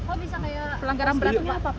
kok bisa kayak pelanggaran berat itu apa pak